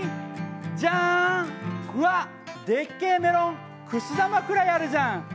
じゃん、でっけえメロン、くす玉ぐらいあるじゃん。